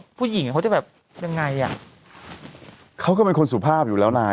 อยู่กับผู้หญิงเขาจะแบบยังไงอ่ะเขาก็มีคนสุภาพอยู่แล้ว